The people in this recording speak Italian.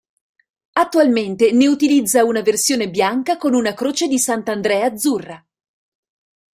Attualmente ne utilizza una versione bianca con una croce di Sant'Andrea azzurra.